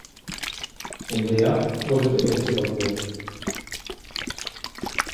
In Leer wurde die Ems überquert.